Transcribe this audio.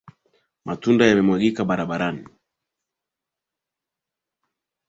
Matunda yamemwagika barabarani